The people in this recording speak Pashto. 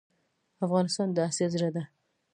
افغانستان د اسیا زړه ده